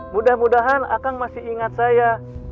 mudah mudahan a kang masih ingat saya